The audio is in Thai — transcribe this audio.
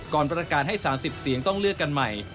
ก่อนประกาศให้๓๐เสียงต้องเลือกกันใหม่